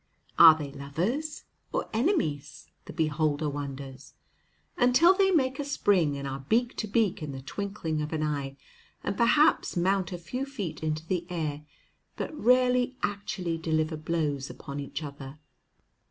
Are they lovers or enemies? the beholder wonders, until they make a spring and are beak to beak in the twinkling of an eye, and perhaps mount a few feet into the air, but rarely actually deliver blows upon each other.